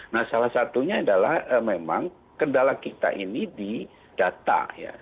nah salah satunya adalah memang kendala kita ini di data ya